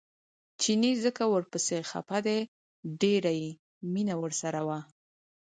چیني ځکه ورپسې خپه دی ډېره یې مینه ورسره وه.